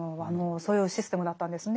そういうシステムだったんですね。